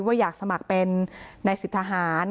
ว่าอยากสมัครเป็นในสิทธาหาร